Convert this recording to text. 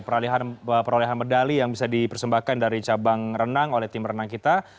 perolehan medali yang bisa dipersembahkan dari cabang renang oleh tim renang kita